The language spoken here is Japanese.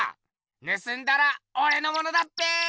ぬすんだらおれのものだっぺ。